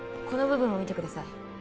この部分を見てください